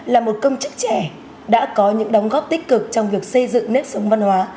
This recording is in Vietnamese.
là một công chức trẻ đã có những đóng góp tích cực trong việc xây dựng nếp sống văn hóa